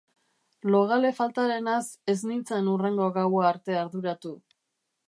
Logale faltarenaz ez nintzen hurrengo gaua arte arduratu.